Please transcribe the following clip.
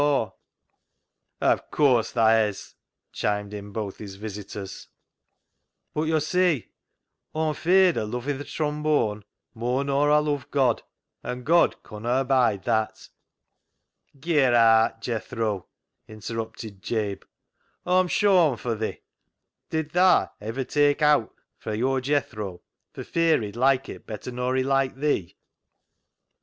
" Of course tha hez," chimed in both his visitors. " But yo see Aw'm feared o' lovin' th' trom bone moar nor Aw love God, and God conna abide that." " Ger aat, Jethro," interrupted Jabe ;" Aw'm shawmed for thi. Did thaa iver tak' owt fra your Jethro for fear he'd like it better nor he liked thee?"